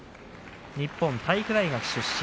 日本体育大学の出身。